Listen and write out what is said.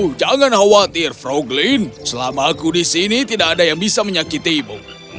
oh jangan khawatir froglin selama aku di sini tidak ada yang bisa menyakitimu